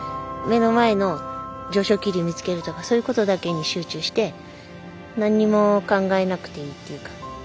目の前の上昇気流見つけるとかそういうことだけに集中して何にも考えなくていいっていうか。